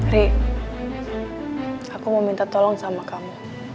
ri aku mau minta tolong sama kamu